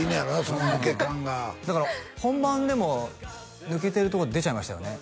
その抜け感がだから本番でも抜けてるとこ出ちゃいましたよね？